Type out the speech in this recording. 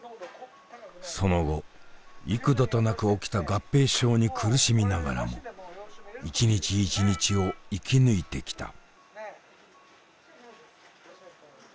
その後幾度となく起きた合併症に苦しみながらも一日一日を生き抜いてきた。